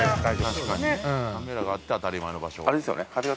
確かにカメラがあって当たり前の場所。